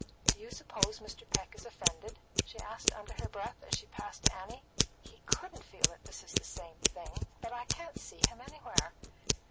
Do you suppose Mr. Peck is offended?" she asked, under her breath, as she passed Annie. "He couldn't feel that this is the same thing; but I can't see him anywhere.